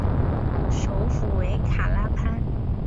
首府为卡拉潘。